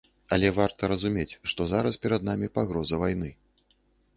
Але варта разумець, што зараз перад намі пагроза вайны.